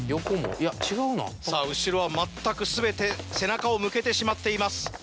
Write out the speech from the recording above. さぁ後ろは全く全て背中を向けてしまっています。